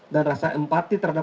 dan rasa empati terhadap